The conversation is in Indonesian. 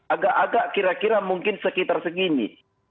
agak agak kira kira mungkin sekitar segini